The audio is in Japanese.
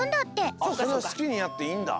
あっそれはすきにやっていいんだ。